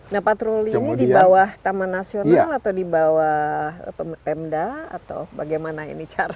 nah patroli ini di bawah taman nasional atau di bawah pemda atau bagaimana ini cara